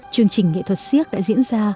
chương trình nghệ thuật siếc đã diễn ra